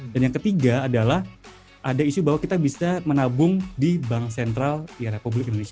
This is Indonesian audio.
yang ketiga adalah ada isu bahwa kita bisa menabung di bank sentral republik indonesia